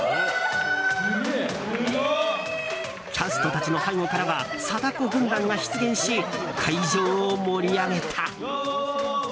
キャストたちの背後からは貞子軍団が出現し会場を盛り上げた。